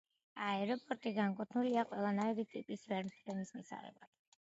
აეროპორტი განკუთვნილია ყველანაირი ტიპის ვერტმფრენის მისაღებად.